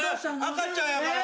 赤ちゃんやから。